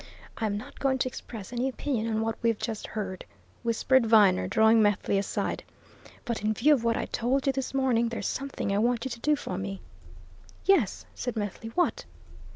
"I'm not going to express any opinion on what we've just heard," whispered Viner, drawing Methley aside, "but in view of what I told you this morning, there's something I want you to do for me." "Yes!" said Methley. "What?"